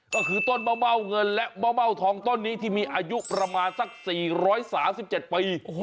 ก็คือต้นมะเม่าเงินและมะเม่าทองต้นนี้ที่มีอายุประมาณสัก๔๓๗ปี